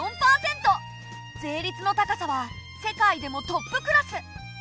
税率の高さは世界でもトップクラス！